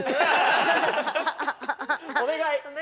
お願い。